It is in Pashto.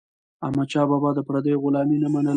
احمدشاه بابا د پردیو غلامي نه منله.